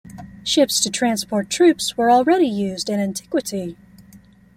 Ships to transport troops were already used in Antiquity.